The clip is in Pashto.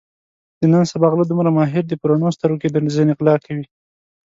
د نن سبا غله دومره ماهر دي په رڼو سترګو کې درځنې غلا کوي.